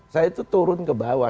saya itu turun ke bawah